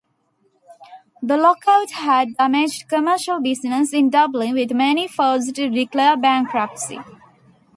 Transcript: The lock-out had damaged commercial businesses in Dublin, with many forced to declare bankruptcy.